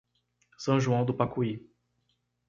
São João do Pacuí